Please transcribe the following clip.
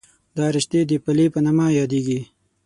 دا رشتې د پلې په نامه یادېږي.